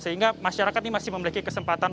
sehingga masyarakat ini masih memiliki kesempatan